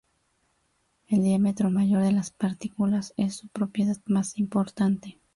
El diámetro mayor de las partículas es su propiedad más importante.